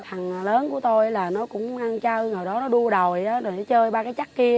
thằng lớn của tôi là nó cũng ăn chơi rồi đó nó đua đòi rồi nó chơi ba cái chắc kia